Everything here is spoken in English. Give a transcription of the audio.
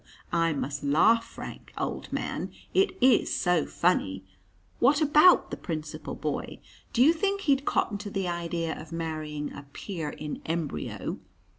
I must laugh, Frank, old man, it is so funny what about the Principal Boy? Do you think he'd cotton to the idea of marrying a peer in embryo!